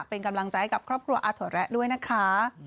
เป็นกำลังใจกับครอบครัวอาถั่วแระด้วยนะคะ